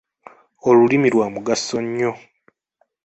Olulimi lwa mugaso nnyo.